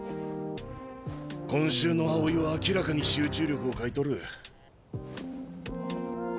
今週の青井は明らかに集中力を欠いとる。